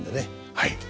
はい。